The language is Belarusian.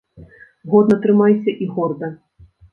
Годна трымайся і горда!